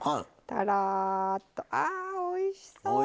とろっとあおいしそう！